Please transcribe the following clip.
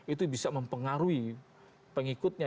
itu bisa mempengaruhi pengikutnya